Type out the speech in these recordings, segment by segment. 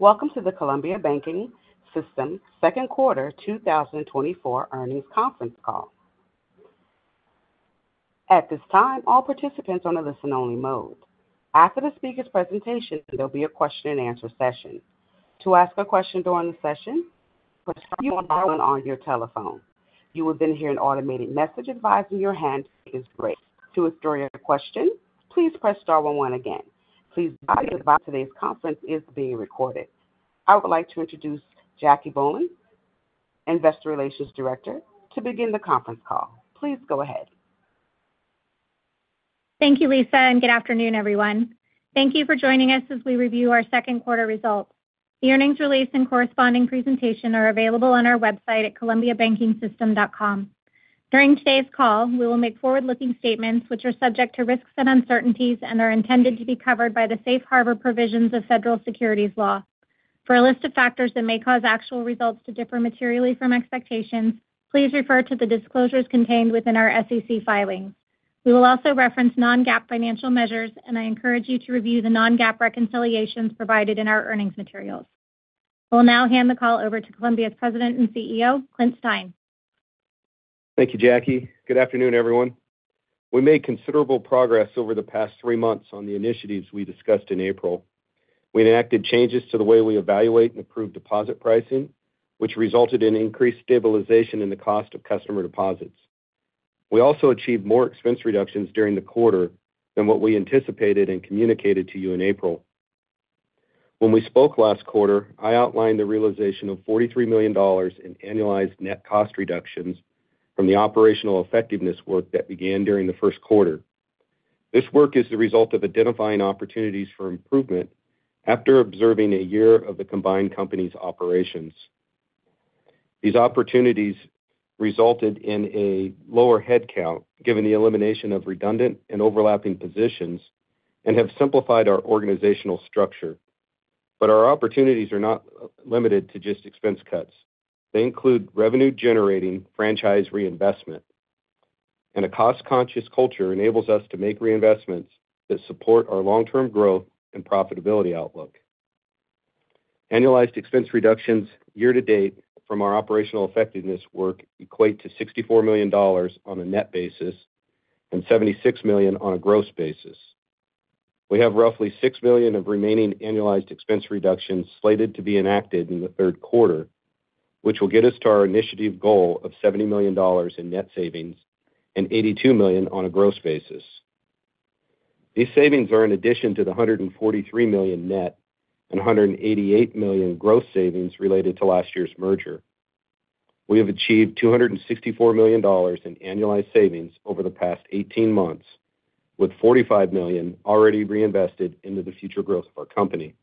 Welcome to the Columbia Banking System Second Quarter 2024 Earnings Conference Call. At this time, all participants are on a listen-only mode. After the speaker's presentation, there'll be a question-and-answer session. To ask a question during the session, press Star 1 on your telephone. You will then hear an automated message advising your hand is raised. To withdraw your question, please press Star 1 again. Please note that today's conference is being recorded. I would like to introduce Jacque Bohlen, Investor Relations Director, to begin the conference call. Please go ahead. Thank you, Lisa, and good afternoon, everyone. Thank you for joining us as we review our second quarter results. The earnings release and corresponding presentation are available on our website at columbiabankingsystem.com. During today's call, we will make forward-looking statements which are subject to risks and uncertainties and are intended to be covered by the safe harbor provisions of federal securities law. For a list of factors that may cause actual results to differ materially from expectations, please refer to the disclosures contained within our SEC filings. We will also reference non-GAAP financial measures, and I encourage you to review the non-GAAP reconciliations provided in our earnings materials. I will now hand the call over to Columbia's President and CEO, Clint Stein. Thank you, Jacque. Good afternoon, everyone. We made considerable progress over the past three months on the initiatives we discussed in April. We enacted changes to the way we evaluate and approve deposit pricing, which resulted in increased stabilization in the cost of customer deposits. We also achieved more expense reductions during the quarter than what we anticipated and communicated to you in April. When we spoke last quarter, I outlined the realization of $43 million in annualized net cost reductions from the operational effectiveness work that began during the first quarter. This work is the result of identifying opportunities for improvement after observing a year of the combined company's operations. These opportunities resulted in a lower headcount given the elimination of redundant and overlapping positions and have simplified our organizational structure. But our opportunities are not limited to just expense cuts. They include revenue-generating franchise reinvestment, and a cost-conscious culture enables us to make reinvestments that support our long-term growth and profitability outlook. Annualized expense reductions year-to-date from our operational effectiveness work equate to $64 million on a net basis and $76 million on a gross basis. We have roughly $6 million of remaining annualized expense reductions slated to be enacted in the third quarter, which will get us to our initiative goal of $70 million in net savings and $82 million on a gross basis. These savings are in addition to the $143 million net and $188 million gross savings related to last year's merger. We have achieved $264 million in annualized savings over the past 18 months, with $45 million already reinvested into the future growth of our company.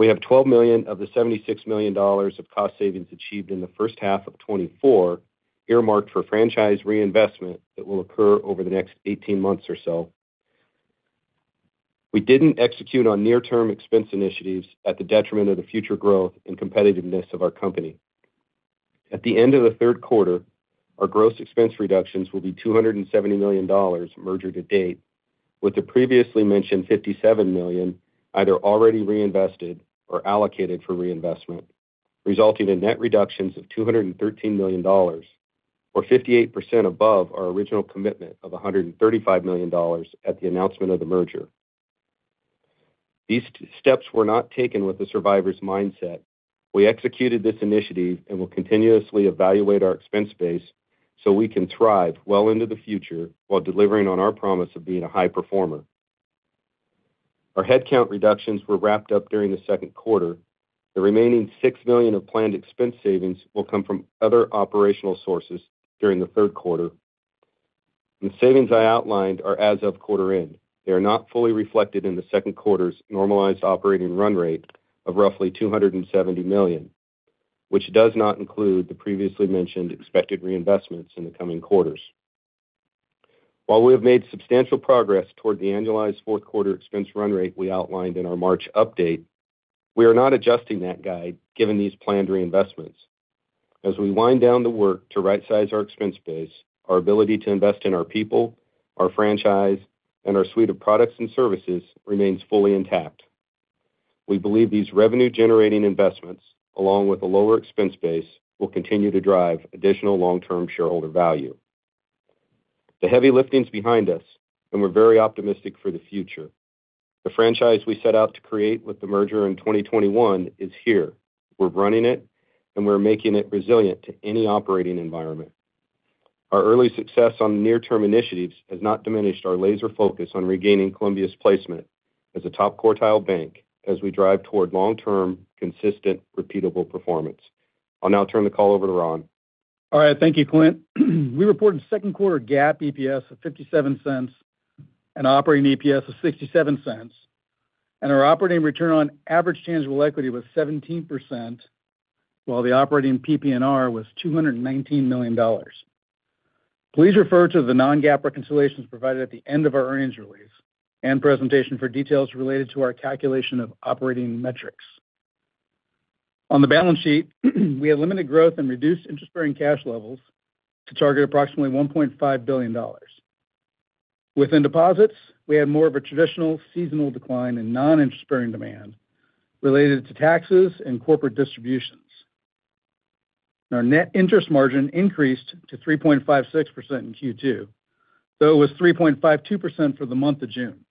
We have $12 million of the $76 million of cost savings achieved in the first half of 2024 earmarked for franchise reinvestment that will occur over the next 18 months or so. We didn't execute on near-term expense initiatives at the detriment of the future growth and competitiveness of our company. At the end of the third quarter, our gross expense reductions will be $270 million merger-to-date, with the previously mentioned $57 million either already reinvested or allocated for reinvestment, resulting in net reductions of $213 million or 58% above our original commitment of $135 million at the announcement of the merger. These steps were not taken with a survivor's mindset. We executed this initiative and will continuously evaluate our expense base so we can thrive well into the future while delivering on our promise of being a high performer. Our headcount reductions were wrapped up during the second quarter. The remaining $6 million of planned expense savings will come from other operational sources during the third quarter. The savings I outlined are as of quarter end. They are not fully reflected in the second quarter's normalized operating run rate of roughly $270 million, which does not include the previously mentioned expected reinvestments in the coming quarters. While we have made substantial progress toward the annualized fourth quarter expense run rate we outlined in our March update, we are not adjusting that guide given these planned reinvestments. As we wind down the work to right-size our expense base, our ability to invest in our people, our franchise, and our suite of products and services remains fully intact. We believe these revenue-generating investments, along with a lower expense base, will continue to drive additional long-term shareholder value. The heavy lifting is behind us, and we're very optimistic for the future. The franchise we set out to create with the merger in 2021 is here. We're running it, and we're making it resilient to any operating environment. Our early success on near-term initiatives has not diminished our laser focus on regaining Columbia's placement as a top quartile bank as we drive toward long-term, consistent, repeatable performance. I'll now turn the call over to Ron. All right. Thank you, Clint. We reported second quarter GAAP EPS of $0.57 and operating EPS of $0.67, and our operating return on average tangible equity was 17%, while the operating PPNR was $219 million. Please refer to the non-GAAP reconciliations provided at the end of our earnings release and presentation for details related to our calculation of operating metrics. On the balance sheet, we had limited growth and reduced interest-bearing cash levels to target approximately $1.5 billion. Within deposits, we had more of a traditional seasonal decline in non-interest-bearing demand related to taxes and corporate distributions. Our net interest margin increased to 3.56% in Q2, though it was 3.52% for the month of June.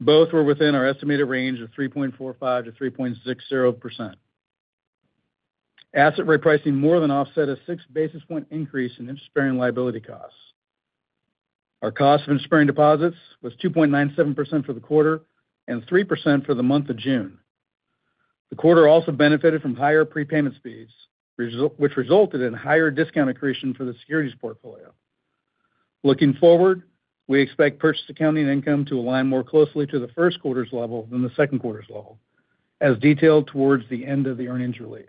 Both were within our estimated range of 3.45%-3.60%. Asset rate pricing more than offset a six basis point increase in interest-bearing liability costs. Our cost of interest-bearing deposits was 2.97% for the quarter and 3% for the month of June. The quarter also benefited from higher prepayment speeds, which resulted in higher discount accretion for the securities portfolio. Looking forward, we expect purchase accounting income to align more closely to the first quarter's level than the second quarter's level, as detailed towards the end of the earnings release.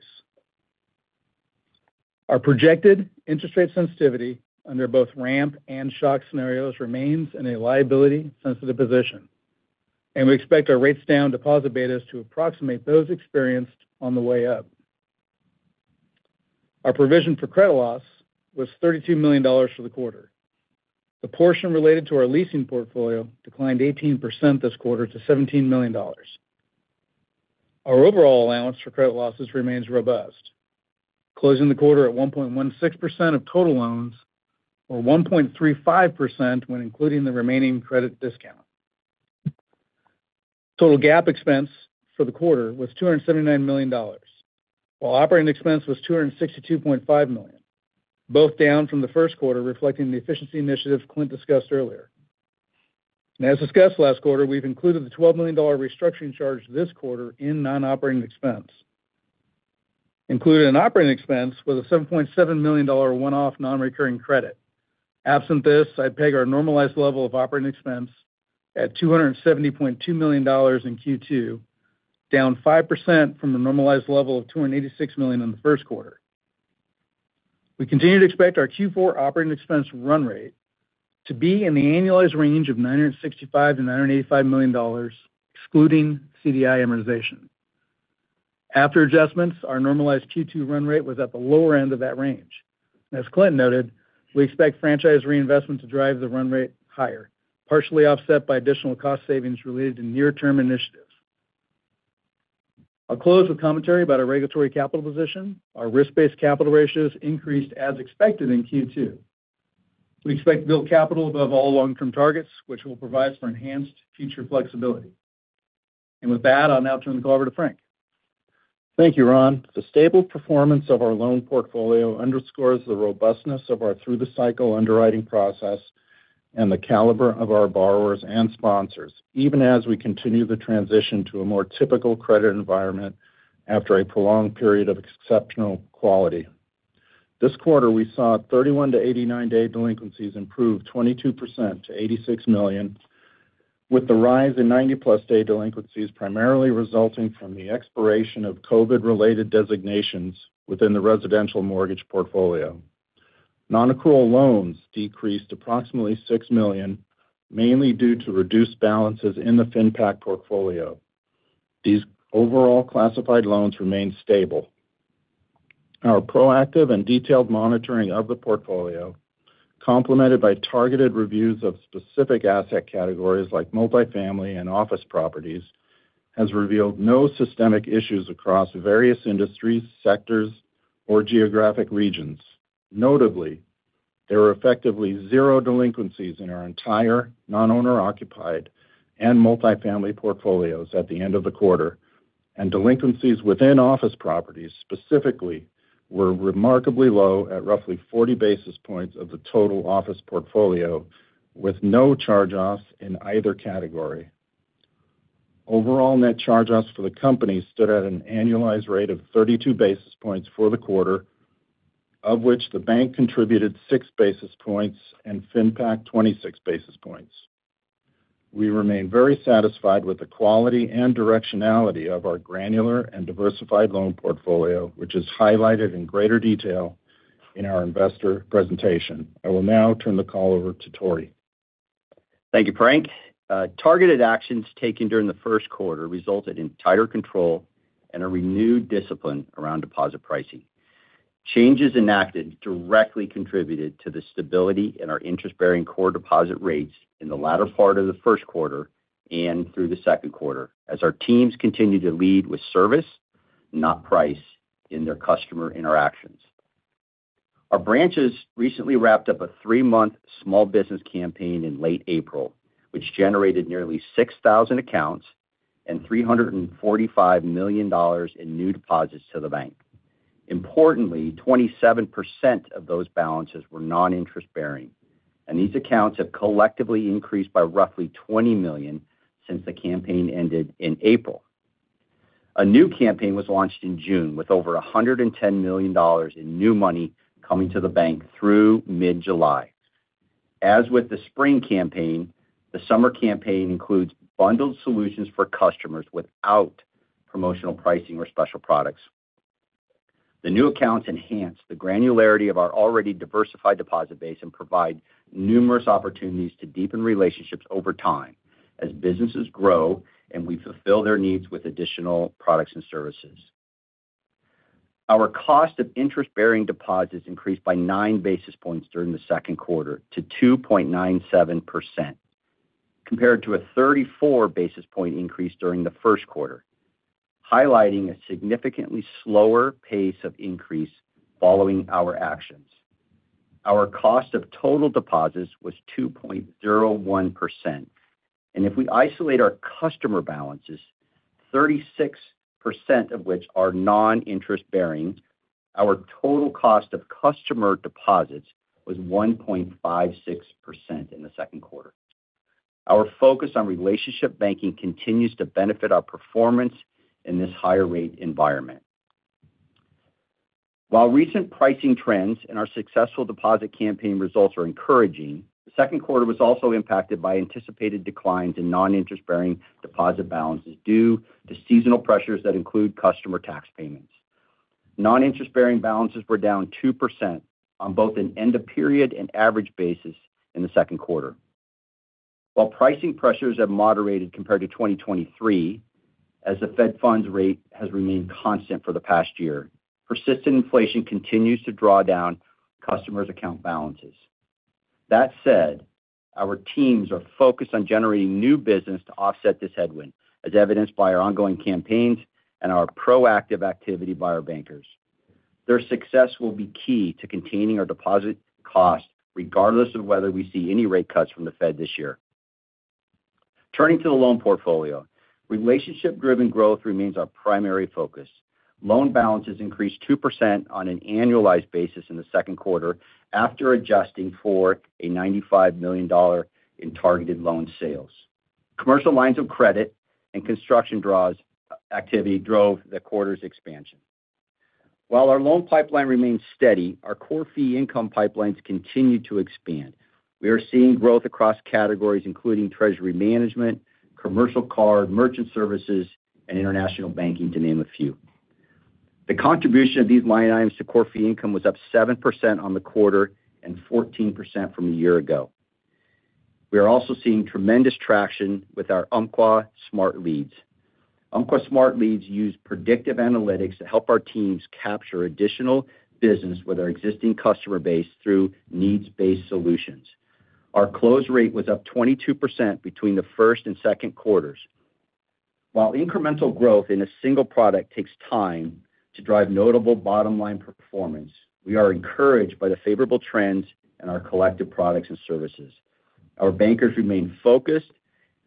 Our projected interest rate sensitivity under both ramp and shock scenarios remains in a liability-sensitive position, and we expect our rates down deposit betas to approximate those experienced on the way up. Our provision for credit loss was $32 million for the quarter. The portion related to our leasing portfolio declined 18% this quarter to $17 million. Our overall allowance for credit losses remains robust, closing the quarter at 1.16% of total loans or 1.35% when including the remaining credit discount. Total GAAP expense for the quarter was $279 million, while operating expense was $262.5 million, both down from the first quarter, reflecting the efficiency initiative Clint discussed earlier. As discussed last quarter, we've included the $12 million restructuring charge this quarter in non-operating expense. Included in operating expense was a $7.7 million one-off non-recurring credit. Absent this, I'd peg our normalized level of operating expense at $270.2 million in Q2, down 5% from a normalized level of $286 million in the first quarter. We continue to expect our Q4 operating expense run rate to be in the annualized range of $965 million-$985 million, excluding CDI amortization. After adjustments, our normalized Q2 run rate was at the lower end of that range. As Clint noted, we expect franchise reinvestment to drive the run rate higher, partially offset by additional cost savings related to near-term initiatives. I'll close with commentary about our regulatory capital position. Our risk-based capital ratios increased as expected in Q2. We expect build capital above all long-term targets, which will provide us for enhanced future flexibility. With that, I'll now turn the call over to Frank. Thank you, Ron. The stable performance of our loan portfolio underscores the robustness of our through-the-cycle underwriting process and the caliber of our borrowers and sponsors, even as we continue the transition to a more typical credit environment after a prolonged period of exceptional quality. This quarter, we saw 31- to 89-day delinquencies improve 22% to $86 million, with the rise in 90-plus-day delinquencies primarily resulting from the expiration of COVID-related designations within the residential mortgage portfolio. Non-accrual loans decreased approximately $6 million, mainly due to reduced balances in the FinPAc portfolio. These overall classified loans remain stable. Our proactive and detailed monitoring of the portfolio, complemented by targeted reviews of specific asset categories like multifamily and office properties, has revealed no systemic issues across various industries, sectors, or geographic regions. Notably, there were effectively zero delinquencies in our entire non-owner-occupied and multifamily portfolios at the end of the quarter, and delinquencies within office properties specifically were remarkably low at roughly 40 basis points of the total office portfolio, with no charge-offs in either category. Overall net charge-offs for the company stood at an annualized rate of 32 basis points for the quarter, of which the bank contributed 6 basis points and FinPAC 26 basis points. We remain very satisfied with the quality and directionality of our granular and diversified loan portfolio, which is highlighted in greater detail in our investor presentation. I will now turn the call over to Tory. Thank you, Frank. Targeted actions taken during the first quarter resulted in tighter control and a renewed discipline around deposit pricing. Changes enacted directly contributed to the stability in our interest-bearing core deposit rates in the latter part of the first quarter and through the second quarter, as our teams continue to lead with service, not price, in their customer interactions. Our branches recently wrapped up a three-month small business campaign in late April, which generated nearly 6,000 accounts and $345 million in new deposits to the bank. Importantly, 27% of those balances were non-interest-bearing, and these accounts have collectively increased by roughly $20 million since the campaign ended in April. A new campaign was launched in June with over $110 million in new money coming to the bank through mid-July. As with the spring campaign, the summer campaign includes bundled solutions for customers without promotional pricing or special products. The new accounts enhance the granularity of our already diversified deposit base and provide numerous opportunities to deepen relationships over time as businesses grow and we fulfill their needs with additional products and services. Our cost of interest-bearing deposits increased by 9 basis points during the second quarter to 2.97%, compared to a 34 basis point increase during the first quarter, highlighting a significantly slower pace of increase following our actions. Our cost of total deposits was 2.01%, and if we isolate our customer balances, 36% of which are non-interest-bearing, our total cost of customer deposits was 1.56% in the second quarter. Our focus on relationship banking continues to benefit our performance in this higher-rate environment. While recent pricing trends and our successful deposit campaign results are encouraging, the second quarter was also impacted by anticipated declines in non-interest-bearing deposit balances due to seasonal pressures that include customer tax payments. Non-interest-bearing balances were down 2% on both an end-of-period and average basis in the second quarter. While pricing pressures have moderated compared to 2023, as the Fed funds rate has remained constant for the past year, persistent inflation continues to draw down customers' account balances. That said, our teams are focused on generating new business to offset this headwind, as evidenced by our ongoing campaigns and our proactive activity by our bankers. Their success will be key to containing our deposit costs, regardless of whether we see any rate cuts from the Fed this year. Turning to the loan portfolio, relationship-driven growth remains our primary focus. Loan balances increased 2% on an annualized basis in the second quarter after adjusting for a $95 million in targeted loan sales. Commercial lines of credit and construction draws activity drove the quarter's expansion. While our loan pipeline remains steady, our core fee income pipelines continue to expand. We are seeing growth across categories, including treasury management, commercial card, merchant services, and international banking, to name a few. The contribution of these line items to core fee income was up 7% on the quarter and 14% from a year ago. We are also seeing tremendous traction with our Umpqua Smart Leads. Umpqua Smart Leads use predictive analytics to help our teams capture additional business with our existing customer base through needs-based solutions. Our close rate was up 22% between the first and second quarters. While incremental growth in a single product takes time to drive notable bottom-line performance, we are encouraged by the favorable trends in our collective products and services. Our bankers remain focused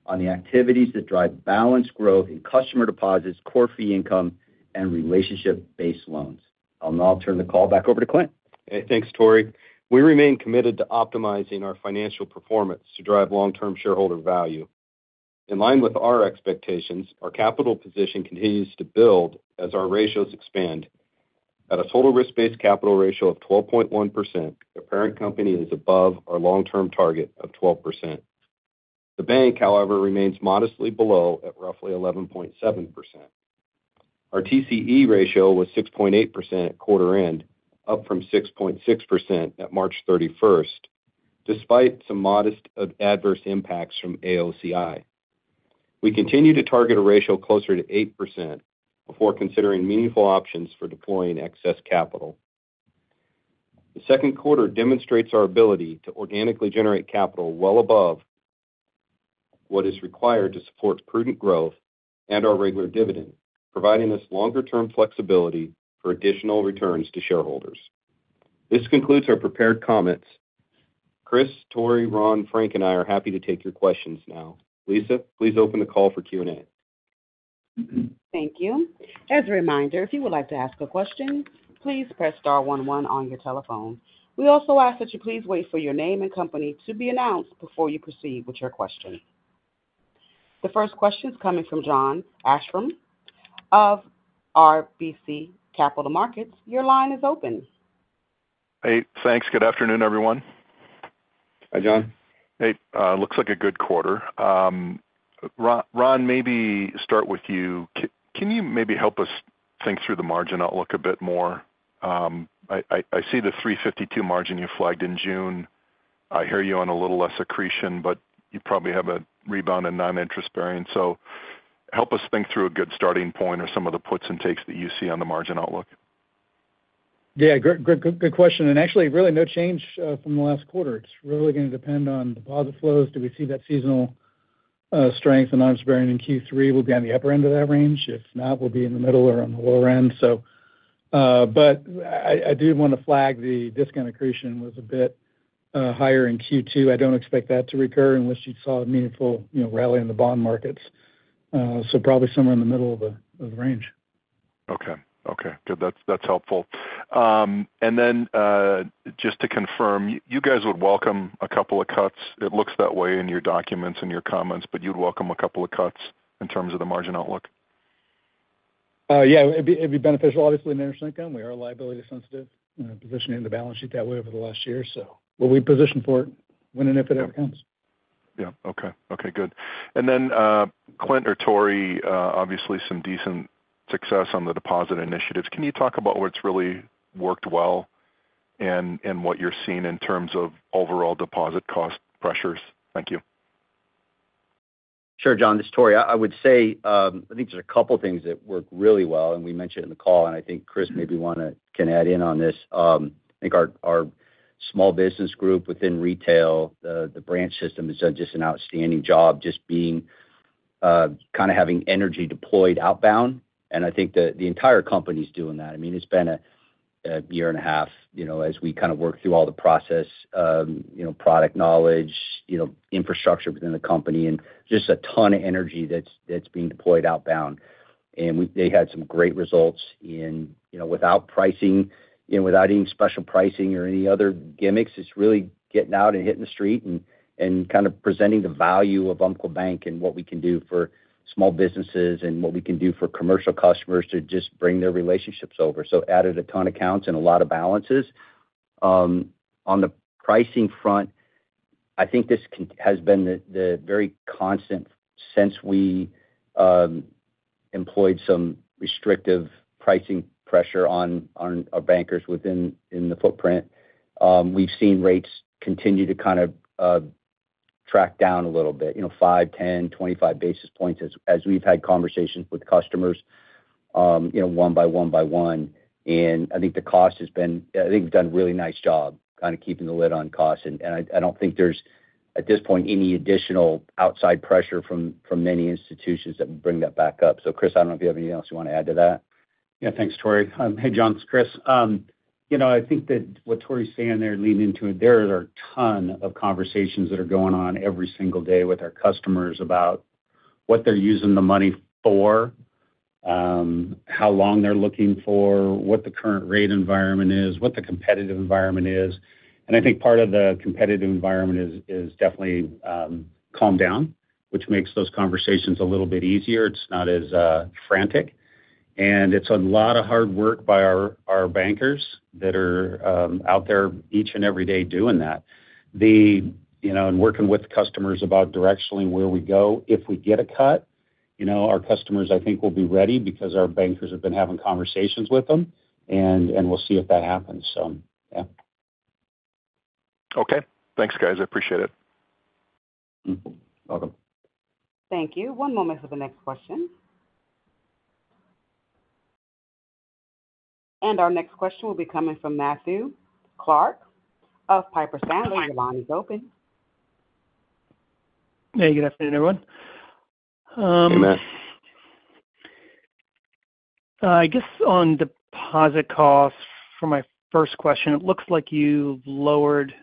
on the activities that drive balanced growth in customer deposits, core fee income, and relationship-based loans. I'll now turn the call back over to Clint. Hey, thanks, Tory. We remain committed to optimizing our financial performance to drive long-term shareholder value. In line with our expectations, our capital position continues to build as our ratios expand. At a total risk-based capital ratio of 12.1%, the parent company is above our long-term target of 12%. The bank, however, remains modestly below at roughly 11.7%. Our TCE ratio was 6.8% at quarter-end, up from 6.6% at March 31st, despite some modest adverse impacts from AOCI. We continue to target a ratio closer to 8% before considering meaningful options for deploying excess capital. The second quarter demonstrates our ability to organically generate capital well above what is required to support prudent growth and our regular dividend, providing us longer-term flexibility for additional returns to shareholders. This concludes our prepared comments. Chris, Tory, Ron, Frank, and I are happy to take your questions now. Lisa, please open the call for Q&A. Thank you. As a reminder, if you would like to ask a question, please press star 11 on your telephone. We also ask that you please wait for your name and company to be announced before you proceed with your question. The first question is coming from Jon Arfstrom of RBC Capital Markets. Your line is open. Hey, thanks. Good afternoon, everyone. Hi, John. Hey. Looks like a good quarter. Ron, maybe start with you. Can you maybe help us think through the margin outlook a bit more? I see the 3.52% margin you flagged in June. I hear you on a little less accretion, but you probably have a rebound in non-interest-bearing. So help us think through a good starting point or some of the puts and takes that you see on the margin outlook. Yeah, good question. And actually, really no change from the last quarter. It's really going to depend on deposit flows. Do we see that seasonal strength and non-interest bearing in Q3? We'll be on the upper end of that range. If not, we'll be in the middle or on the lower end. But I do want to flag the discount accretion was a bit higher in Q2. I don't expect that to recur unless you saw a meaningful rally in the bond markets. So probably somewhere in the middle of the range. Okay. Okay. Good. That's helpful. And then just to confirm, you guys would welcome a couple of cuts. It looks that way in your documents and your comments, but you'd welcome a couple of cuts in terms of the margin outlook? Yeah. It'd be beneficial, obviously, in interest income. We are liability-sensitive and positioning the balance sheet that way over the last year. So we'll be positioned for it when and if it ever comes. Yeah. Okay. Okay. Good. And then Clint or Tory, obviously, some decent success on the deposit initiatives. Can you talk about what's really worked well and what you're seeing in terms of overall deposit cost pressures? Thank you. Sure, John. This is Tory. I would say I think there's a couple of things that work really well, and we mentioned it in the call, and I think Chris maybe can add in on this. I think our small business group within retail, the branch system, has done just an outstanding job, just kind of having energy deployed outbound. And I think the entire company is doing that. I mean, it's been a year and a half as we kind of work through all the process, product knowledge, infrastructure within the company, and just a ton of energy that's being deployed outbound. And they had some great results without any special pricing or any other gimmicks. It's really getting out and hitting the street and kind of presenting the value of Umpqua Bank and what we can do for small businesses and what we can do for commercial customers to just bring their relationships over. So added a ton of accounts and a lot of balances. On the pricing front, I think this has been very constant since we employed some restrictive pricing pressure on our bankers within the footprint. We've seen rates continue to kind of track down a little bit, 5, 10, 25 basis points, as we've had conversations with customers one by one by one. And I think the cost has been I think we've done a really nice job kind of keeping the lid on cost. And I don't think there's, at this point, any additional outside pressure from many institutions that will bring that back up. Chris, I don't know if you have anything else you want to add to that. Yeah. Thanks, Tori. Hey, John, it's Chris. I think that what Tori's saying there, leading into it, there are a ton of conversations that are going on every single day with our customers about what they're using the money for, how long they're looking for, what the current rate environment is, what the competitive environment is. And I think part of the competitive environment is definitely calmed down, which makes those conversations a little bit easier. It's not as frantic. And it's a lot of hard work by our bankers that are out there each and every day doing that. And working with customers about directionally where we go, if we get a cut, our customers, I think, will be ready because our bankers have been having conversations with them, and we'll see if that happens. So yeah. Okay. Thanks, guys. I appreciate it. You're welcome. Thank you. One moment for the next question. Our next question will be coming from Matthew Clark of Piper Sandler. Your line is open. Hey, good afternoon, everyone. Hey, Matt. I guess on deposit costs, for my first question, it looks like you've lowered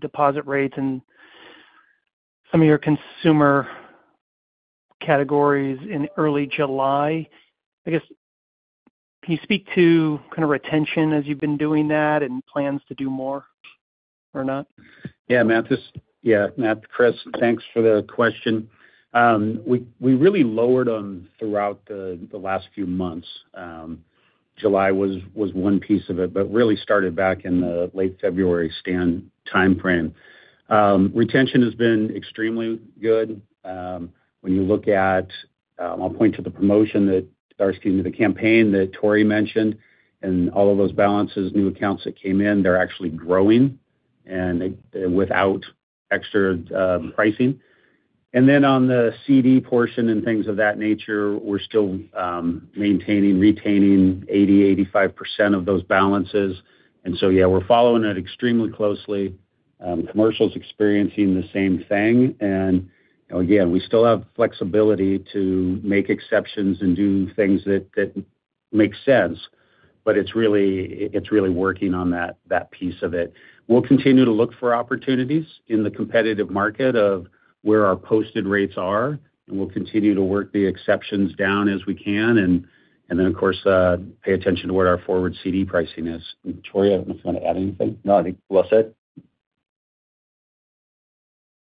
deposit rates in some of your consumer categories in early July. I guess, can you speak to kind of retention as you've been doing that and plans to do more or not? Yeah, Matt. Yeah, Matt, Chris, thanks for the question. We really lowered them throughout the last few months. July was one piece of it, but really started back in the late February timeframe. Retention has been extremely good. When you look at, I'll point to the promotion that, or excuse me, the campaign that Tori mentioned, and all of those balances, new accounts that came in, they're actually growing without extra pricing. And then on the CD portion and things of that nature, we're still maintaining, retaining 80%-85% of those balances. And so, yeah, we're following it extremely closely. Commercial's experiencing the same thing. And again, we still have flexibility to make exceptions and do things that make sense, but it's really working on that piece of it. We'll continue to look for opportunities in the competitive market of where our posted rates are, and we'll continue to work the exceptions down as we can, and then, of course, pay attention to where our forward CD pricing is. Tory, I don't know if you want to add anything. No, I think we're all set.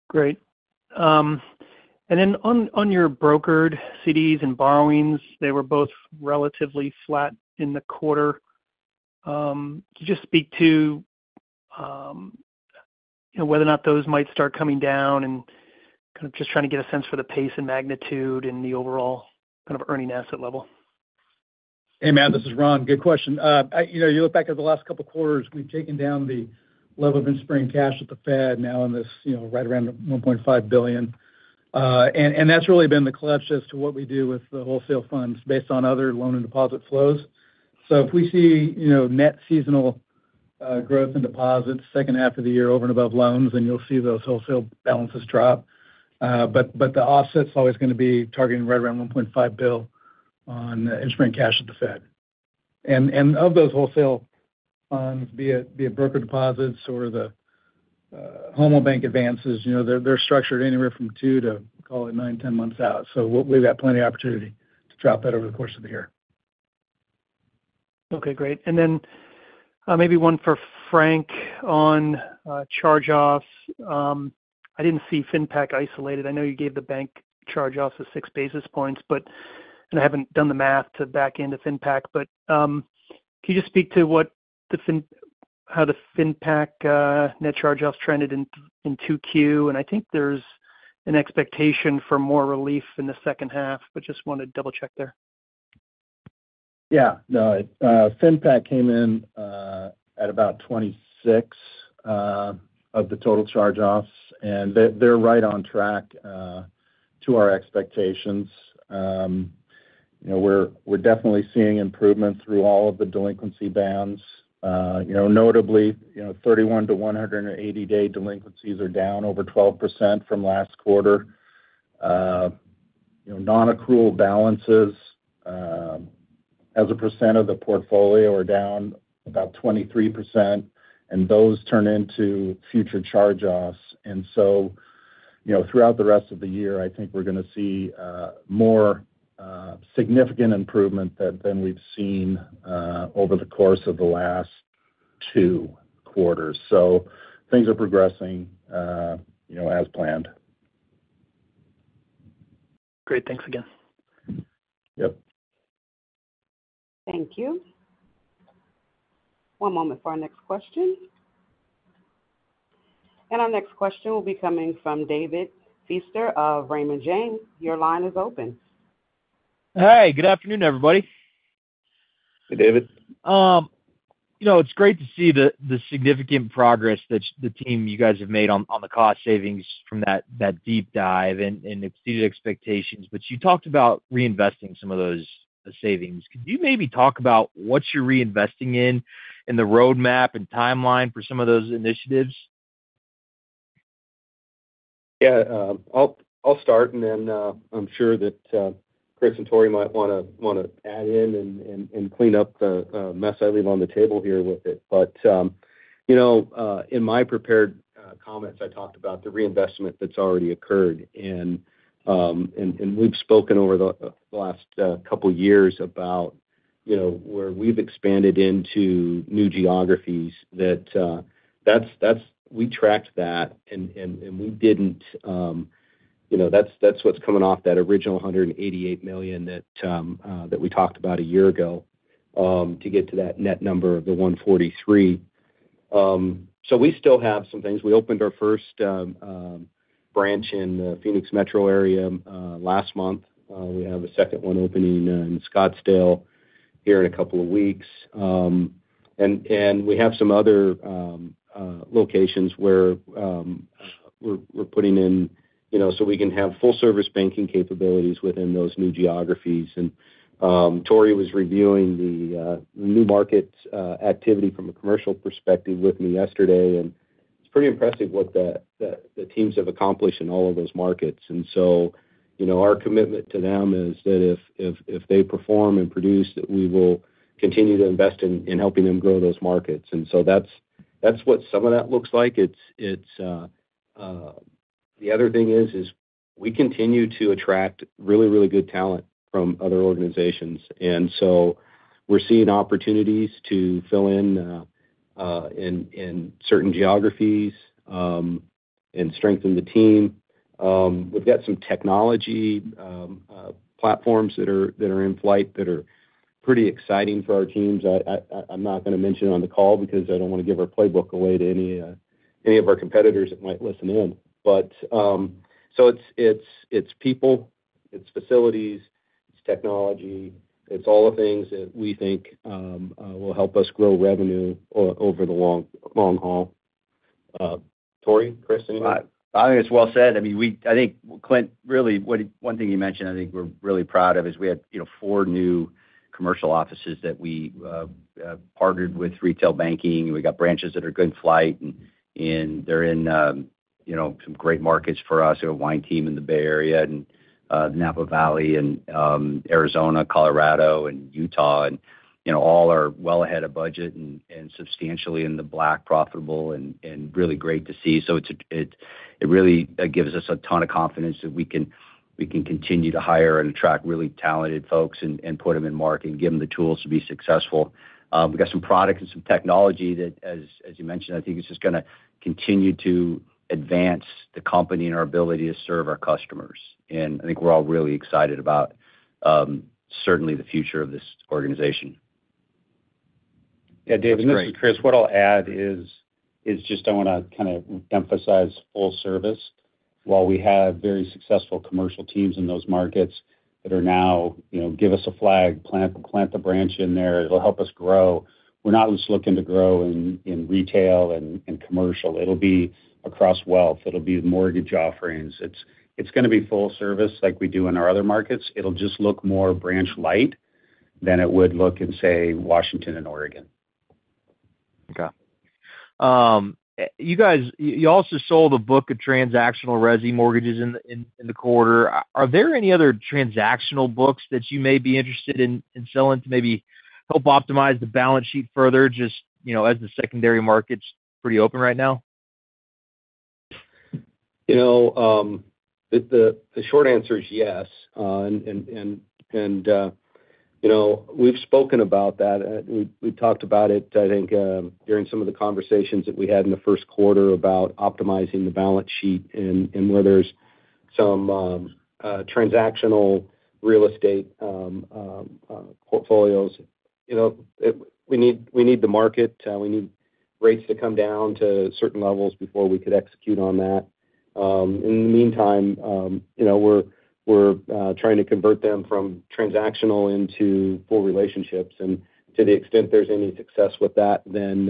Great. And then on your brokered CDs and borrowings, they were both relatively flat in the quarter. Could you just speak to whether or not those might start coming down and kind of just trying to get a sense for the pace and magnitude and the overall kind of earning asset level? Hey, Matt. This is Ron. Good question. You look back at the last couple of quarters, we've taken down the level of interest-bearing cash with the Fed now in this right around $1.5 billion. And that's really been the calculus as to what we do with the wholesale funds based on other loan and deposit flows. So if we see net seasonal growth in deposits second half of the year over and above loans, then you'll see those wholesale balances drop. But the offset's always going to be targeting right around $1.5 billion on interest-bearing cash with the Fed. And of those wholesale funds, be it brokered deposits or the Federal Home Loan Bank advances, they're structured anywhere from 2 to, call it, 9-10 months out. So we've got plenty of opportunity to drop that over the course of the year. Okay. Great. And then maybe one for Frank on charge-offs. I didn't see FinPAC isolated. I know you gave the bank charge-offs of 6 basis points, and I haven't done the math to back into FinPAC, but can you just speak to how the FinPAC net charge-offs trended in Q2? And I think there's an expectation for more relief in the second half, but just want to double-check there. Yeah. No, FinPAC came in at about 26 of the total charge-offs, and they're right on track to our expectations. We're definitely seeing improvement through all of the delinquency bands. Notably, 31- to 180-day delinquencies are down over 12% from last quarter. Non-accrual balances as a percent of the portfolio are down about 23%, and those turn into future charge-offs. So throughout the rest of the year, I think we're going to see more significant improvement than we've seen over the course of the last two quarters. Things are progressing as planned. Great. Thanks again. Yep. Thank you. One moment for our next question. Our next question will be coming from David Feaster of Raymond James. Your line is open. Hey, good afternoon, everybody. Hey, David. It's great to see the significant progress that the team you guys have made on the cost savings from that deep dive, and exceeded expectations. But you talked about reinvesting some of those savings. Could you maybe talk about what you're reinvesting in and the roadmap and timeline for some of those initiatives? Yeah. I'll start, and then I'm sure that Chris and Tori might want to add in and clean up the mess I leave on the table here with it. But in my prepared comments, I talked about the reinvestment that's already occurred. We've spoken over the last couple of years about where we've expanded into new geographies that we tracked that, and we didn't. That's what's coming off that original $188 million that we talked about a year ago to get to that net number of the $143 million. So we still have some things. We opened our first branch in the Phoenix metro area last month. We have a second one opening in Scottsdale here in a couple of weeks. And we have some other locations where we're putting in so we can have full-service banking capabilities within those new geographies. Tory was reviewing the new market activity from a commercial perspective with me yesterday, and it's pretty impressive what the teams have accomplished in all of those markets. So our commitment to them is that if they perform and produce, that we will continue to invest in helping them grow those markets. So that's what some of that looks like. The other thing is we continue to attract really, really good talent from other organizations. So we're seeing opportunities to fill in in certain geographies and strengthen the team. We've got some technology platforms that are in flight that are pretty exciting for our teams. I'm not going to mention it on the call because I don't want to give our playbook away to any of our competitors that might listen in. So it's people, it's facilities, it's technology. It's all the things that we think will help us grow revenue over the long haul. Tory, Chris, anything? I think it's well said. I mean, I think, Clint, really, one thing you mentioned I think we're really proud of is we had four new commercial offices that we partnered with retail banking. We got branches that are good in flight, and they're in some great markets for us. We have a wine team in the Bay Area and the Napa Valley and Arizona, Colorado, and Utah, and all are well ahead of budget and substantially in the black, profitable, and really great to see. So it really gives us a ton of confidence that we can continue to hire and attract really talented folks and put them in market and give them the tools to be successful. We got some product and some technology that, as you mentioned, I think it's just going to continue to advance the company and our ability to serve our customers. I think we're all really excited about, certainly, the future of this organization. Yeah. David, and this is Chris. What I'll add is just I want to kind of emphasize full service. While we have very successful commercial teams in those markets that are now, "Give us a flag, plant the branch in there. It'll help us grow." We're not just looking to grow in retail and commercial. It'll be across wealth. It'll be mortgage offerings. It's going to be full service like we do in our other markets. It'll just look more branch-light than it would look in, say, Washington and Oregon. Got it. You guys also sold a book of transactional resi mortgages in the quarter. Are there any other transactional books that you may be interested in selling to maybe help optimize the balance sheet further just as the secondary market's pretty open right now? The short answer is yes. And we've spoken about that. We've talked about it, I think, during some of the conversations that we had in the first quarter about optimizing the balance sheet and where there's some transactional real estate portfolios. We need the market. We need rates to come down to certain levels before we could execute on that. In the meantime, we're trying to convert them from transactional into full relationships. And to the extent there's any success with that, then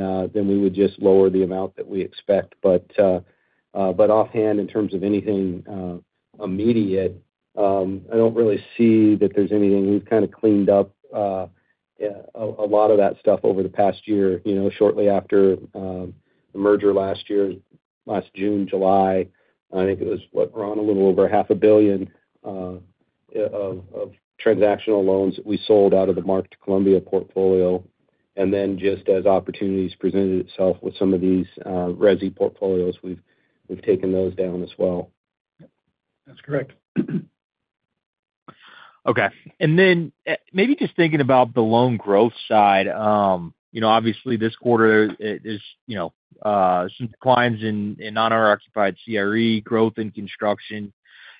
we would just lower the amount that we expect. But offhand, in terms of anything immediate, I don't really see that there's anything. We've kind of cleaned up a lot of that stuff over the past year. Shortly after the merger last year, last June, July, I think it was, what, we're on a little over $500 million of transactional loans that we sold out of the marked Columbia portfolio. And then just as opportunities presented itself with some of these resi portfolios, we've taken those down as well. That's correct. Okay. Then maybe just thinking about the loan growth side. Obviously, this quarter, there's some declines in non-occupied CRE growth in construction.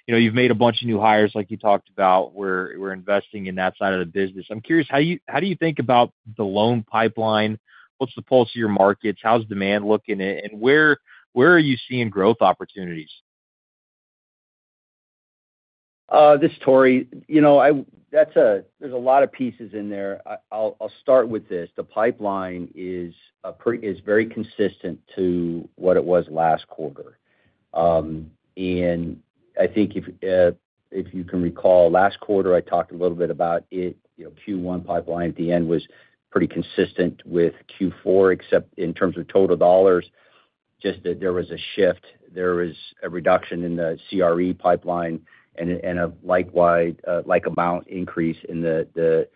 You've made a bunch of new hires, like you talked about, where we're investing in that side of the business. I'm curious, how do you think about the loan pipeline? What's the pulse of your markets? How's demand looking? And where are you seeing growth opportunities? This is Tory. There's a lot of pieces in there. I'll start with this. The pipeline is very consistent to what it was last quarter. I think if you can recall, last quarter, I talked a little bit about it. Q1 pipeline at the end was pretty consistent with Q4, except in terms of total dollars, just that there was a shift. There was a reduction in the CRE pipeline and a like-amount increase in the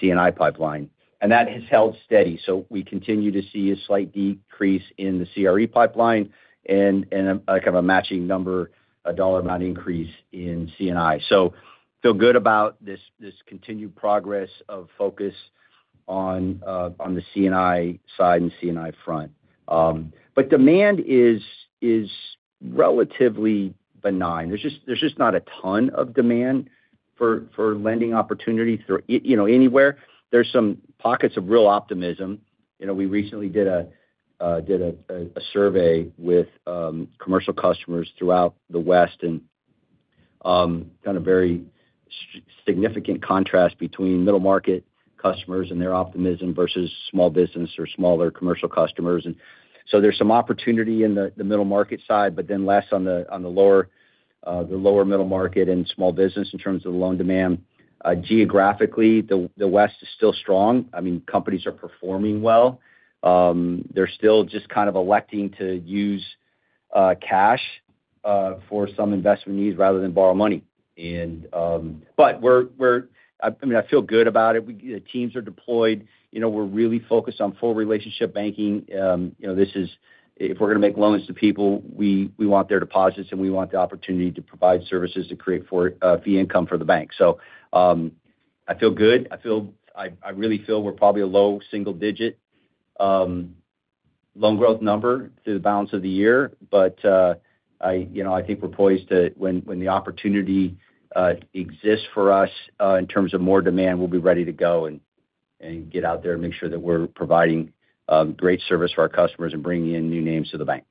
C&I pipeline. That has held steady. We continue to see a slight decrease in the CRE pipeline and kind of a matching number, a dollar-amount increase in C&I. So feel good about this continued progress of focus on the C&I side and C&I front. But demand is relatively benign. There's just not a ton of demand for lending opportunity anywhere. There's some pockets of real optimism. We recently did a survey with commercial customers throughout the West and kind of very significant contrast between middle-market customers and their optimism versus small business or smaller commercial customers. So there's some opportunity in the middle-market side, but then less on the lower middle market and small business in terms of the loan demand. Geographically, the West is still strong. I mean, companies are performing well. They're still just kind of electing to use cash for some investment needs rather than borrow money. But I mean, I feel good about it. The teams are deployed. We're really focused on full relationship banking. If we're going to make loans to people, we want their deposits, and we want the opportunity to provide services to create fee income for the bank. So I feel good. I really feel we're probably a low single-digit loan growth number through the balance of the year. But I think we're poised to, when the opportunity exists for us in terms of more demand, we'll be ready to go and get out there and make sure that we're providing great service for our customers and bringing in new names to the bank.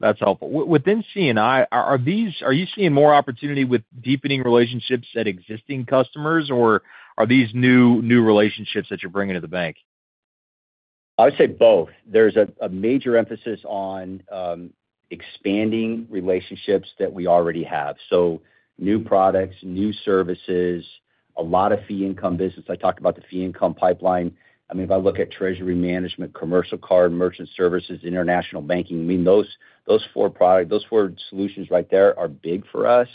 That's helpful. Within C&I, are you seeing more opportunity with deepening relationships at existing customers, or are these new relationships that you're bringing to the bank? I would say both. There's a major emphasis on expanding relationships that we already have. So new products, new services, a lot of fee income business. I talked about the fee income pipeline. I mean, if I look at treasury management, commercial card, merchant services, international banking, I mean, those four solutions right there are big for us.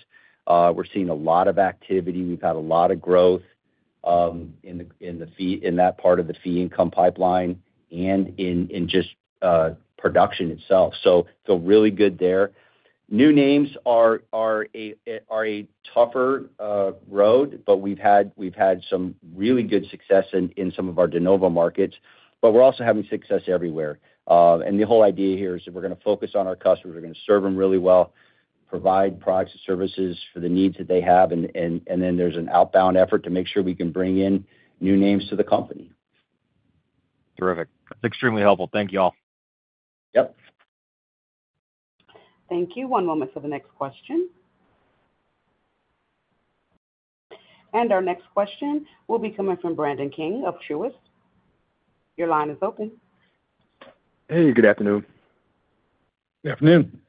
We're seeing a lot of activity. We've had a lot of growth in that part of the fee income pipeline and in just production itself. So feel really good there. New names are a tougher road, but we've had some really good success in some of our de novo markets. But we're also having success everywhere. And the whole idea here is that we're going to focus on our customers. We're going to serve them really well, provide products and services for the needs that they have. And then there's an outbound effort to make sure we can bring in new names to the company. Terrific. That's extremely helpful. Thank you all. Yep. Thank you. One moment for the next question. Our next question will be coming from Brandon King of Truist. Your line is open. Hey, good afternoon. Good afternoon.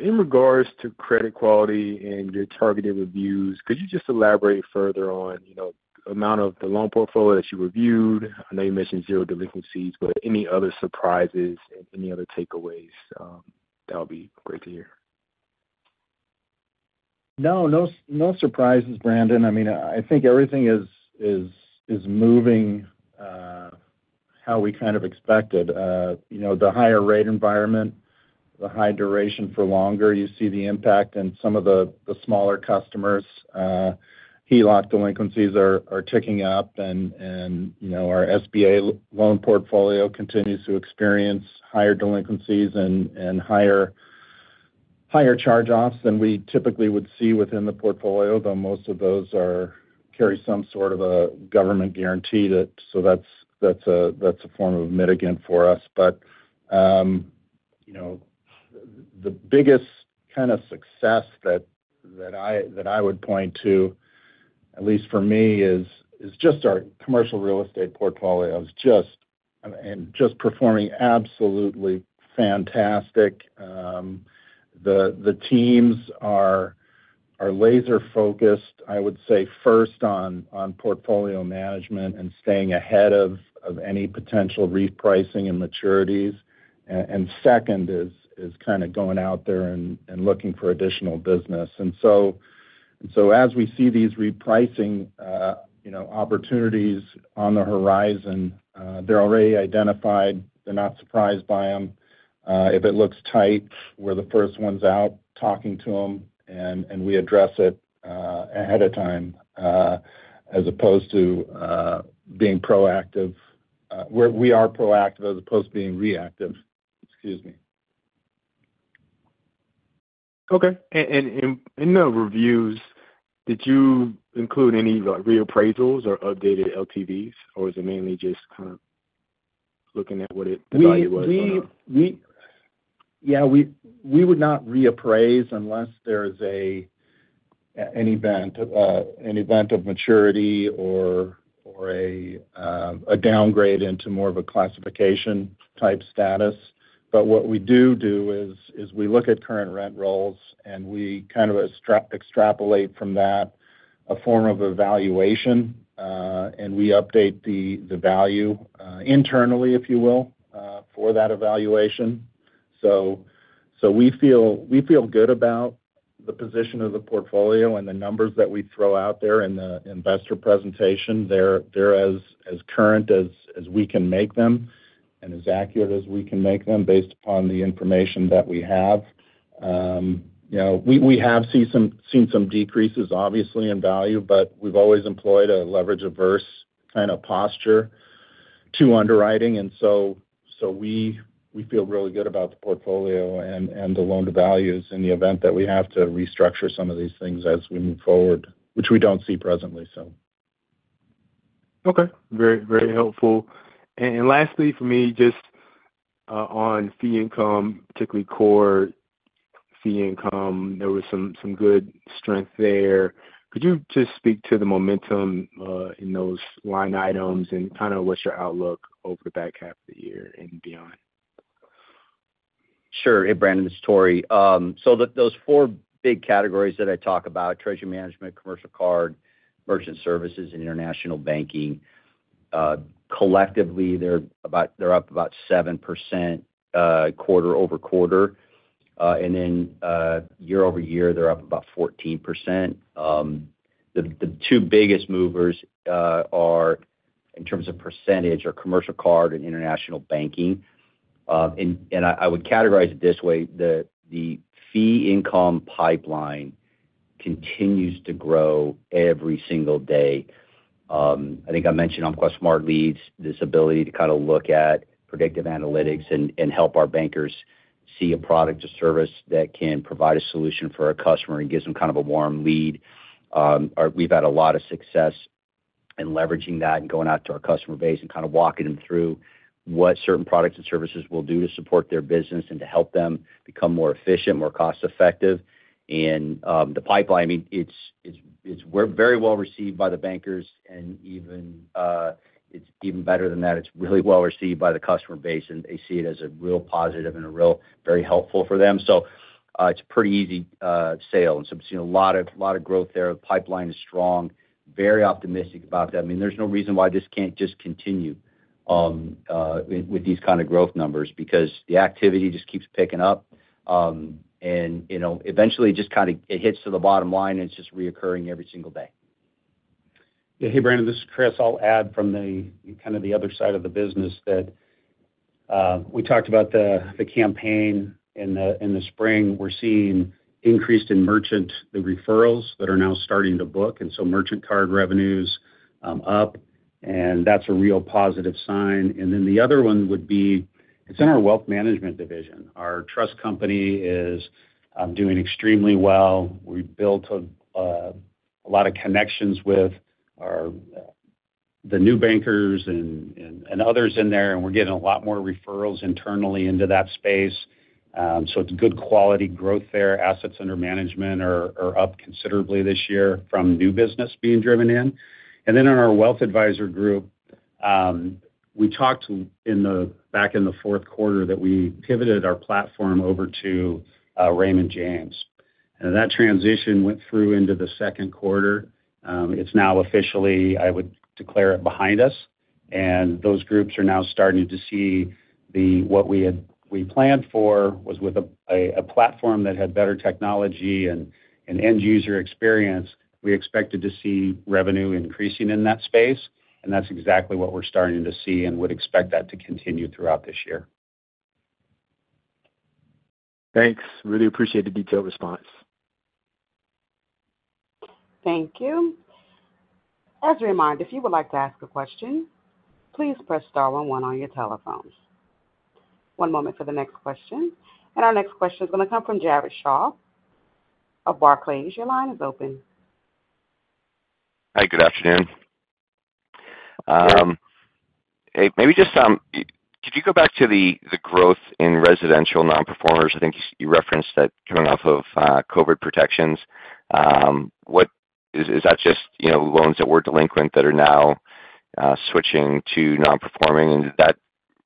In regards to credit quality and your targeted reviews, could you just elaborate further on the amount of the loan portfolio that you reviewed? I know you mentioned zero delinquencies, but any other surprises and any other takeaways? That would be great to hear. No, no surprises, Brandon. I mean, I think everything is moving how we kind of expected. The higher rate environment, the high duration for longer, you see the impact in some of the smaller customers. HELOC delinquencies are ticking up, and our SBA loan portfolio continues to experience higher delinquencies and higher charge-offs than we typically would see within the portfolio, though most of those carry some sort of a government guarantee. So that's a form of mitigant for us. But the biggest kind of success that I would point to, at least for me, is just our commercial real estate portfolio. It's just performing absolutely fantastic. The teams are laser-focused, I would say, first on portfolio management and staying ahead of any potential repricing and maturities. And second is kind of going out there and looking for additional business. And so as we see these repricing opportunities on the horizon, they're already identified. They're not surprised by them. If it looks tight, we're the first ones out talking to them, and we address it ahead of time as opposed to being proactive. We are proactive as opposed to being reactive. Excuse me. Okay. And in the reviews, did you include any reappraisals or updated LTVs, or was it mainly just kind of looking at what the value was? Yeah. We would not reappraise unless there is an event of maturity or a downgrade into more of a classification-type status. But what we do do is we look at current rent rolls, and we kind of extrapolate from that a form of evaluation, and we update the value internally, if you will, for that evaluation. So we feel good about the position of the portfolio and the numbers that we throw out there in the investor presentation. They're as current as we can make them and as accurate as we can make them based upon the information that we have. We have seen some decreases, obviously, in value, but we've always employed a leverage-averse kind of posture to underwriting. And so we feel really good about the portfolio and the loan-to-values in the event that we have to restructure some of these things as we move forward, which we don't see presently, so. Okay. Very helpful. Lastly, for me, just on fee income, particularly core fee income, there was some good strength there. Could you just speak to the momentum in those line items and kind of what's your outlook over the back half of the year and beyond? Sure. Hey, Brandon. This is Tory. So those four big categories that I talk about, treasury management, commercial card, merchant services, and international banking, collectively, they're up about 7% quarter-over-quarter. And then year-over-year, they're up about 14%. The two biggest movers are, in terms of percentage, are commercial card and international banking. And I would categorize it this way: the fee income pipeline continues to grow every single day. I think I mentioned Umpqua Smart Leads, this ability to kind of look at predictive analytics and help our bankers see a product or service that can provide a solution for a customer and gives them kind of a warm lead. We've had a lot of success in leveraging that and going out to our customer base and kind of walking them through what certain products and services will do to support their business and to help them become more efficient, more cost-effective. The pipeline, I mean, we're very well received by the bankers, and it's even better than that. It's really well received by the customer base, and they see it as a real positive and a real very helpful for them. It's a pretty easy sale. We've seen a lot of growth there. The pipeline is strong. Very optimistic about that. I mean, there's no reason why this can't just continue with these kind of growth numbers because the activity just keeps picking up. Eventually, it just kind of hits to the bottom line, and it's just recurring every single day. Yeah. Hey, Brandon. This is Chris. I'll add from kind of the other side of the business that we talked about the campaign in the spring. We're seeing increases in merchant referrals that are now starting to book. And so merchant card revenues up, and that's a real positive sign. And then the other one would be it's in our wealth management division. Our trust company is doing extremely well. We've built a lot of connections with the new bankers and others in there, and we're getting a lot more referrals internally into that space. So it's good quality growth there. Assets under management are up considerably this year from new business being driven in. And then in our wealth advisor group, we talked back in the fourth quarter that we pivoted our platform over to Raymond James. And that transition went through into the second quarter. It's now officially, I would declare it behind us. Those groups are now starting to see what we planned for was with a platform that had better technology and end-user experience. We expected to see revenue increasing in that space, and that's exactly what we're starting to see and would expect that to continue throughout this year. Thanks. Really appreciate the detailed response. Thank you. As a reminder, if you would like to ask a question, please press star one-one on your telephone. One moment for the next question. Our next question is going to come from Jared Shaw of Barclays. Your line is open. Hi. Good afternoon. Hey, maybe just could you go back to the growth in residential non-performers? I think you referenced that coming off of COVID protections. Is that just loans that were delinquent that are now switching to non-performing? And did that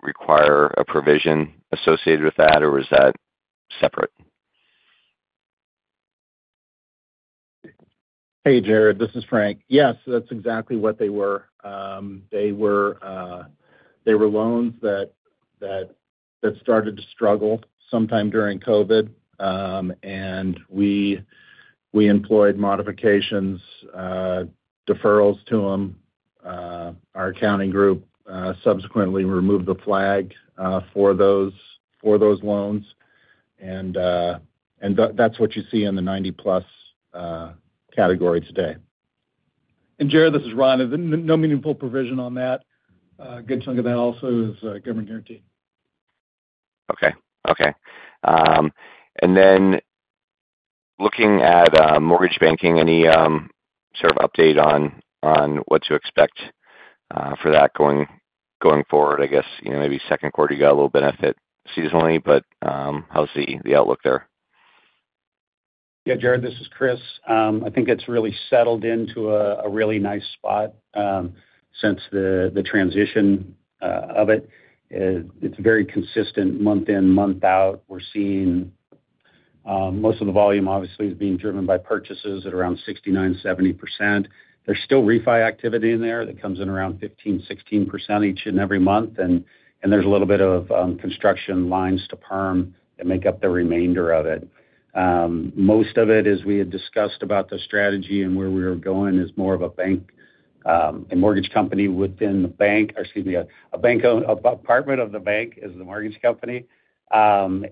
require a provision associated with that, or was that separate? Hey, Jared. This is Frank. Yes, that's exactly what they were. They were loans that started to struggle sometime during COVID, and we employed modifications, deferrals to them. Our accounting group subsequently removed the flag for those loans. That's what you see in the 90-plus category today. Jared, this is Ron. There's no meaningful provision on that. A good chunk of that also is government guaranteed. Okay. Okay. And then looking at mortgage banking, any sort of update on what to expect for that going forward? I guess maybe second quarter, you got a little benefit seasonally, but how's the outlook there? Yeah. Jared, this is Chris. I think it's really settled into a really nice spot since the transition of it. It's very consistent month in, month out. We're seeing most of the volume, obviously, is being driven by purchases at around 69%-70%. There's still refi activity in there that comes in around 15%-16% each and every month. And there's a little bit of construction lines to perm that make up the remainder of it. Most of it, as we had discussed about the strategy and where we were going, is more of a bank and mortgage company within the bank or excuse me, a bank department of the bank is the mortgage company. 80%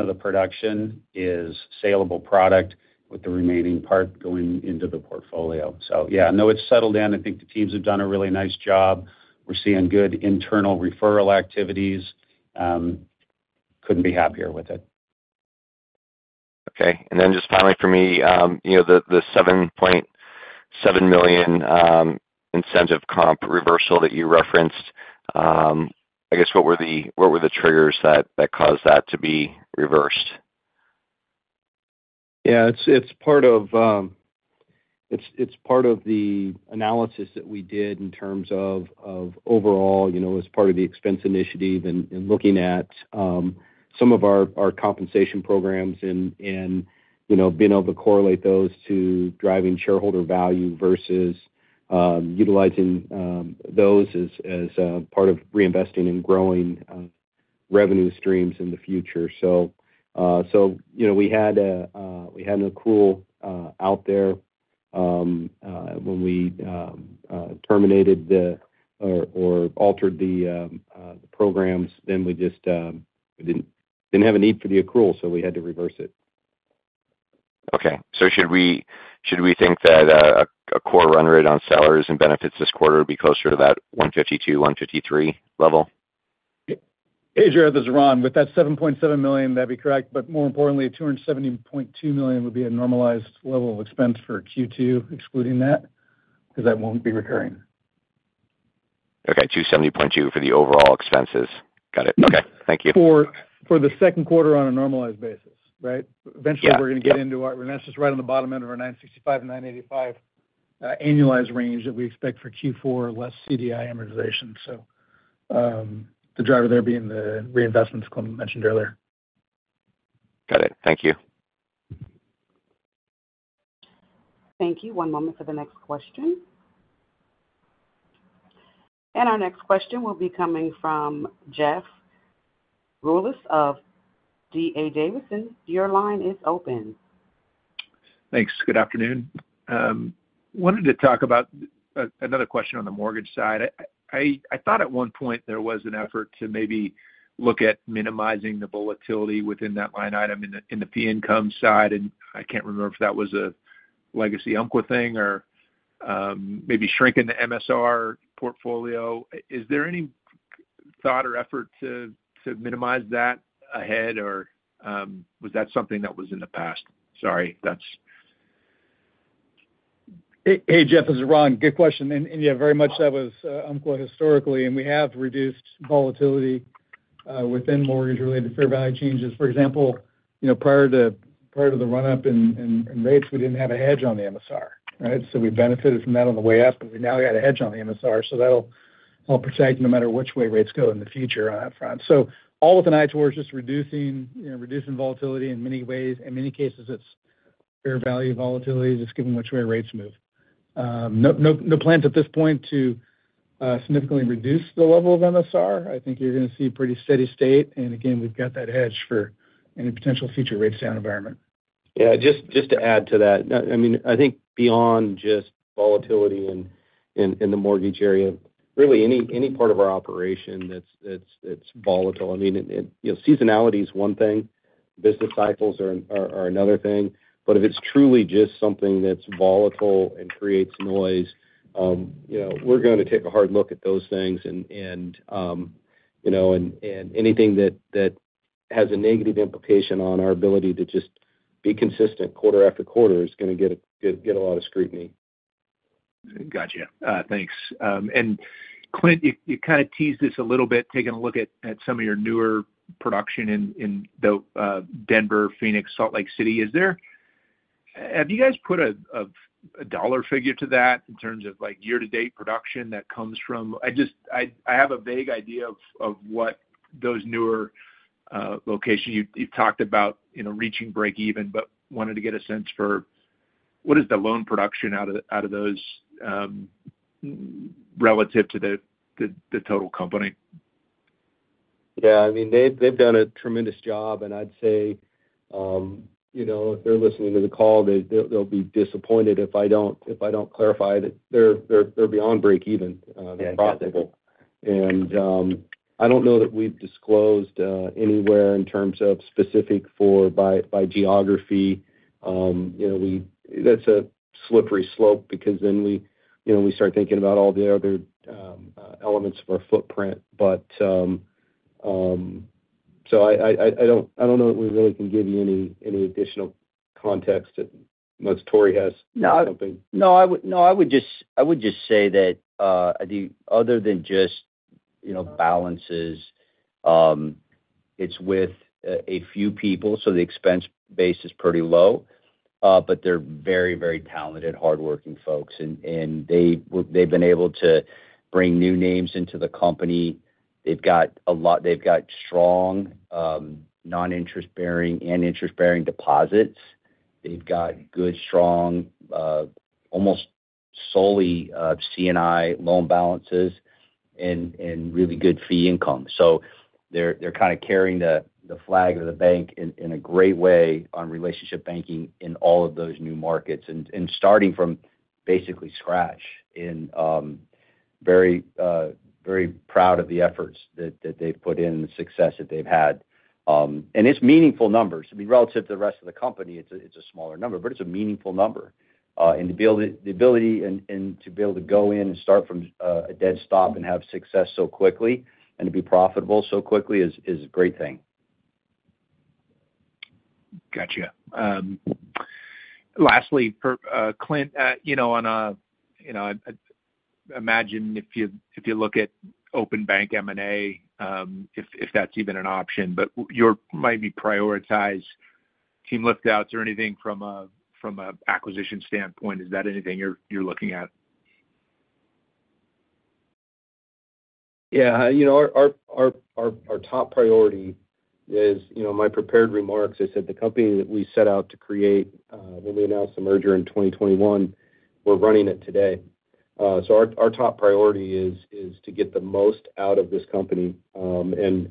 of the production is saleable product with the remaining part going into the portfolio. So yeah, no, it's settled in. I think the teams have done a really nice job. We're seeing good internal referral activities. Couldn't be happier with it. Okay. And then just finally for me, the $7.7 million incentive comp reversal that you referenced, I guess what were the triggers that cause that to be reversed? Yeah. It's part of the analysis that we did in terms of overall, as part of the expense initiative and looking at some of our compensation programs and being able to correlate those to driving shareholder value versus utilizing those as part of reinvesting and growing revenue streams in the future. So we had an accrual out there when we terminated or altered the programs. Then we just didn't have a need for the accrual, so we had to reverse it. Okay. So should we think that a core run rate on salaries and benefits this quarter would be closer to that $152-$153 level? Hey, Jared. This is Ron. With that $7.7 million, that'd be correct. But more importantly, $270.2 million would be a normalized level of expense for Q2, excluding that, because that won't be recurring. Okay. $270.2 for the overall expenses. Got it. Okay. Thank you. For the second quarter on a normalized basis, right? Eventually, we're going to get into our end, and that's just right on the bottom end of our 965-985 annualized range that we expect for Q4 or less CDI amortization. So the driver there being the reinvestments Clint mentioned earlier. Got it. Thank you. Thank you. One moment for the next question. Our next question will be coming from Jeff Rulis of D.A. Davidson & Co. Your line is open. Thanks. Good afternoon. Wanted to talk about another question on the mortgage side. I thought at one point there was an effort to maybe look at minimizing the volatility within that line item in the fee income side. And I can't remember if that was a legacy Umpqua thing or maybe shrinking the MSR portfolio. Is there any thought or effort to minimize that ahead, or was that something that was in the past? Sorry. That's. Hey, Jeff. This is Ron. Good question. And yeah, very much that was Umpqua historically. And we have reduced volatility within mortgage-related fair value changes. For example, prior to the run-up in rates, we didn't have a hedge on the MSR, right? So we benefited from that on the way up, but we now got a hedge on the MSR. So that'll protect no matter which way rates go in the future on that front. So all with an eye towards just reducing volatility in many ways. In many cases, it's fair value volatility just given which way rates move. No plans at this point to significantly reduce the level of MSR. I think you're going to see a pretty steady state. And again, we've got that hedge for any potential future rate-down environment. Yeah. Just to add to that, I mean, I think beyond just volatility in the mortgage area, really any part of our operation that's volatile. I mean, seasonality is one thing. Business cycles are another thing. But if it's truly just something that's volatile and creates noise, we're going to take a hard look at those things. And anything that has a negative implication on our ability to just be consistent quarter after quarter is going to get a lot of scrutiny. Gotcha. Thanks. And Clint, you kind of teased this a little bit, taking a look at some of your newer production in Denver, Phoenix, Salt Lake City. Have you guys put a dollar figure to that in terms of year-to-date production that comes from? I have a vague idea of what those newer locations you've talked about reaching break-even, but wanted to get a sense for what is the loan production out of those relative to the total company? Yeah. I mean, they've done a tremendous job. I'd say if they're listening to the call, they'll be disappointed if I don't clarify that they're beyond break-even and profitable. I don't know that we've disclosed anywhere in terms of specific for by geography. That's a slippery slope because then we start thinking about all the other elements of our footprint. But so I don't know that we really can give you any additional context unless Tory has something. No. No. I would just say that other than just balances, it's with a few people, so the expense base is pretty low, but they're very, very talented, hardworking folks. They've been able to bring new names into the company. They've got strong non-interest-bearing and interest-bearing deposits. They've got good, strong, almost solely C&I loan balances and really good fee income. They're kind of carrying the flag of the bank in a great way on relationship banking in all of those new markets and starting from basically scratch. Very proud of the efforts that they've put in and the success that they've had. It's meaningful numbers. I mean, relative to the rest of the company, it's a smaller number, but it's a meaningful number. The ability to be able to go in and start from a dead stop and have success so quickly and to be profitable so quickly is a great thing. Gotcha. Lastly, Clint, on an imagine if you look at open bank M&A, if that's even an option, but you might be prioritized team lift-outs or anything from an acquisition standpoint. Is that anything you're looking at? Yeah. Our top priority is my prepared remarks. I said the company that we set out to create when we announced the merger in 2021, we're running it today. So our top priority is to get the most out of this company. And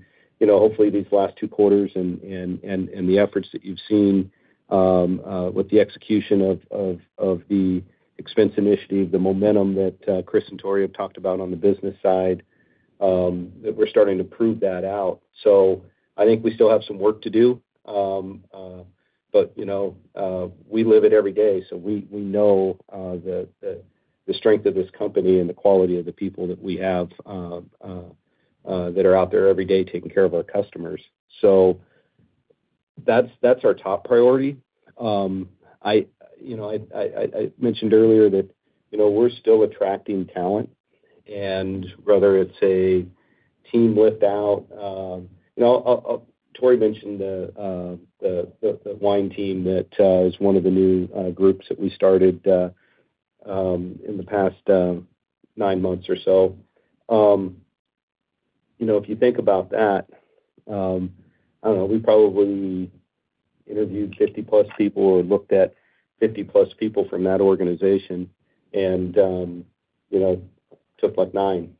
hopefully, these last two quarters and the efforts that you've seen with the execution of the expense initiative, the momentum that Chris and Tori have talked about on the business side, that we're starting to prove that out. So I think we still have some work to do, but we live it every day. So we know the strength of this company and the quality of the people that we have that are out there every day taking care of our customers. So that's our top priority. I mentioned earlier that we're still attracting talent. Whether it's a team lift-out, Tory mentioned the wine team that is one of the new groups that we started in the past nine months or so. If you think about that, I don't know. We probably interviewed 50+ people or looked at 50+ people from that organization and took nine.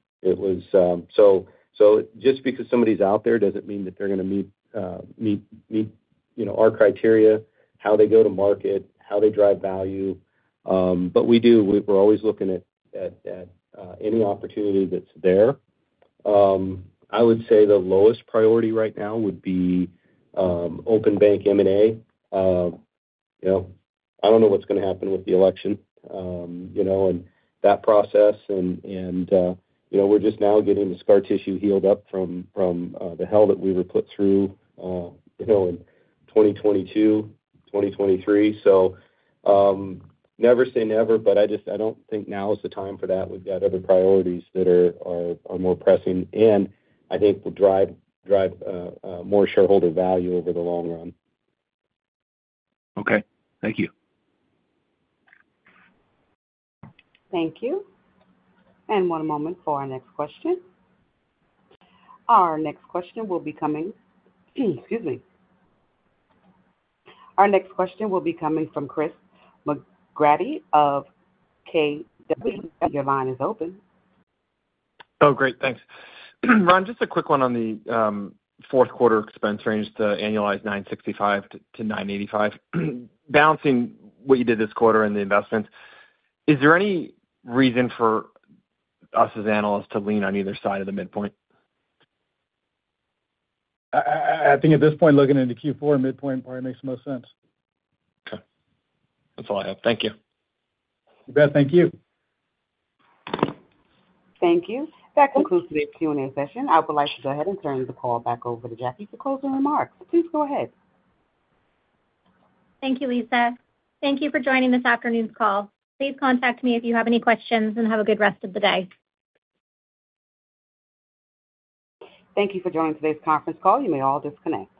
So just because somebody's out there doesn't mean that they're going to meet our criteria, how they go to market, how they drive value. But we do. We're always looking at any opportunity that's there. I would say the lowest priority right now would be open bank M&A. I don't know what's going to happen with the election and that process. And we're just now getting the scar tissue healed up from the hell that we were put through in 2022, 2023. So never say never, but I don't think now is the time for that. We've got other priorities that are more pressing, and I think will drive more shareholder value over the long run. Okay. Thank you. Thank you. One moment for our next question. Our next question will be coming, excuse me. Our next question will be coming from Chris McGratty of KBW. Your line is open. Oh, great. Thanks. Ron, just a quick one on the fourth quarter expense range, the annualized $965-$985. Balancing what you did this quarter and the investments, is there any reason for us as analysts to lean on either side of the midpoint? I think at this point, looking into Q4, midpoint probably makes the most sense. Okay. That's all I have. Thank you. You bet. Thank you. Thank you. That concludes today's Q&A session. I would like to go ahead and turn the call back over to Jackie for closing remarks. Please go ahead. Thank you, Lisa. Thank you for joining this afternoon's call. Please contact me if you have any questions and have a good rest of the day. Thank you for joining today's conference call. You may all disconnect.